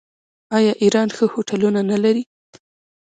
آیا ایران ښه هوټلونه نلري؟